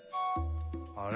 あれ？